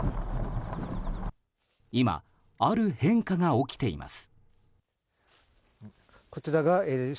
今、ある変化が起きています。